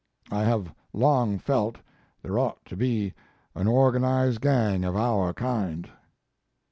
I have long felt there ought to be an organized gang of our kind.